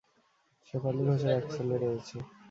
শেফালী ঘোষের এক ছেলে রয়েছে।